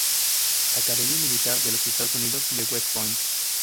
Academia Militar de los Estados Unidos de West Point.